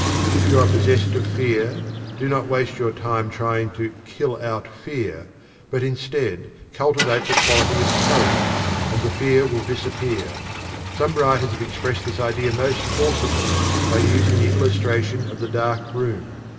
If you are possessed of Fear, do not waste time trying to "kill out" Fear, but instead cultivate the quality of Courage, and the Fear will disappear. Some writers have expressed this idea most forcibly by using the illustration of the dark room.